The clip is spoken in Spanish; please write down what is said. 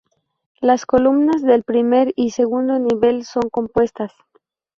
Las columnas del primer y segundo nivel son compuestas.